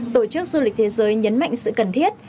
tổ chức du lịch thế giới nhấn mạnh sự cần thiết